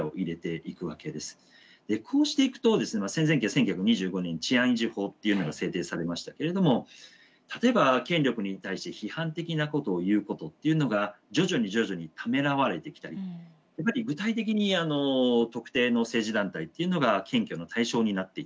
こうしていくとですね戦前期は１９２５年「治安維持法」っていうのが制定されましたけれども例えば権力に対して批判的なことを言うことっていうのが徐々に徐々にためらわれてきたり具体的に特定の政治団体っていうのが検挙の対象になっていったり。